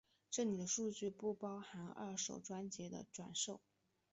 这里的数据不包含二手专辑的转售。